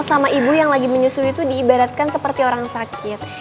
sama ibu yang lagi menyusui itu diibadatkan seperti orang sakit